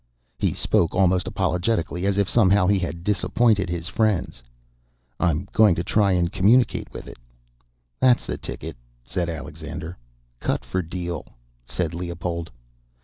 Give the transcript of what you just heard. He spoke almost apologetically, as if somehow he had disappointed his friends. "I'm going to try and communicate with it." "That's the ticket," said Alexander. "Cut for deal," said Leopold.